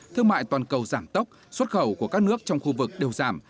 thương mại toàn cầu giảm tốc xuất khẩu của các nước trong khu vực đều giảm